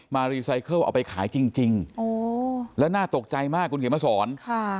รีไซเคิลเอาไปขายจริงแล้วน่าตกใจมากคุณเขียนมาสอนค่ะ